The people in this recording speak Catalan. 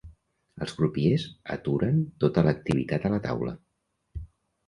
Els crupiers aturen tota l'activitat a la taula.